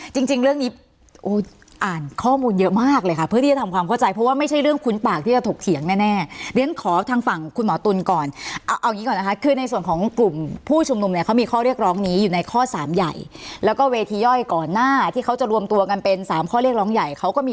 จริงจริงเรื่องนี้โอ้อ่านข้อมูลเยอะมากเลยค่ะเพื่อที่จะทำความเข้าใจเพราะว่าไม่ใช่เรื่องคุ้นปากที่จะถกเถียงแน่เรียนขอทางฝั่งคุณหมอตุลก่อนเอางี้ก่อนนะคะคือในส่วนของกลุ่มผู้ชุมนุมเนี่ยเขามีข้อเรียกร้องนี้อยู่ในข้อสามใหญ่แล้วก็เวทีย่อยก่อนหน้าที่เขาจะรวมตัวกันเป็นสามข้อเรียกร้องใหญ่เขาก็มี